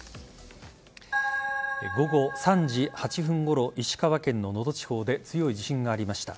午後３時８分ごろ石川県の能登地方で強い地震がありました。